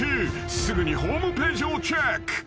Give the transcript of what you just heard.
［すぐにホームページをチェック］